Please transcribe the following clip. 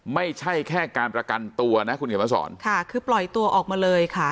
ไม่ใช่แค่การประกันตัวนะคุณเขียนมาสอนค่ะคือปล่อยตัวออกมาเลยค่ะ